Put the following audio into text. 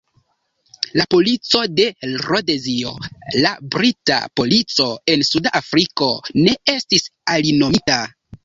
La polico de Rodezio, la Brita Polico en Suda Afriko, ne estis alinomita.